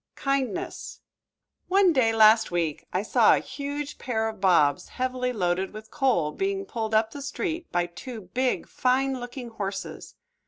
"_ KINDNESS One day last week I saw a huge pair of bobs, heavily loaded with coal, being pulled up the street by two big, fine looking horses.